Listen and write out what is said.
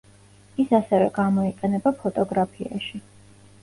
ის ასევე გამოიყენება ფოტოგრაფიაში.